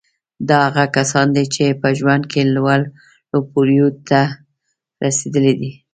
دا هغه کسان دي چې په ژوند کې لوړو پوړیو ته رسېدلي دي